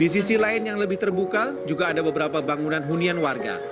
di sisi lain yang lebih terbuka juga ada beberapa bangunan hunian warga